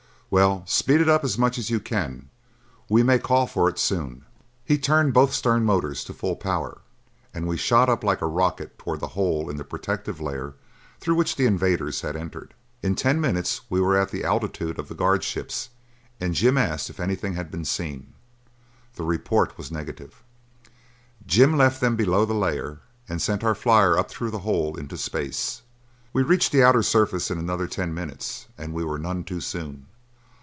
Well, speed it up as much as you can; we may call for it soon." He turned both stern motors to full power, and we shot up like a rocket toward the hole in the protective layer through which the invaders had entered. In ten minutes we were at the altitude of the guard ships and Jim asked if anything had been seen. The report was negative; Jim left them below the layer and sent our flyer up through the hole into space. We reached the outer surface in another ten minutes and we were none too soon.